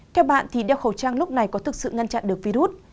theo bạn thì đeo khẩu trang lúc này có thực sự ngăn chặn được virus